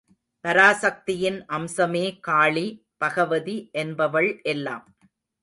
பராசக்தியின் அம்சமே காளி, பகவதி என்பவள் எல்லாம்.